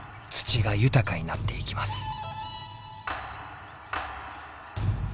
土が豊かになっていきます。